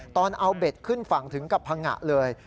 ตอนเอาเบ็ดขึ้นฝั่งถึงกับพังงะเลย